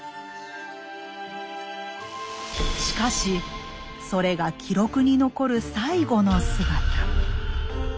しかしそれが記録に残る最後の姿。